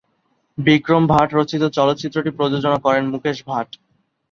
বিক্রম ভাট রচিত চলচ্চিত্রটি প্রযোজনা করেন মুকেশ ভাট।